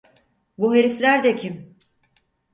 Bu herifler de kim?